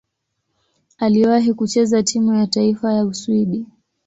Aliwahi kucheza timu ya taifa ya Uswidi.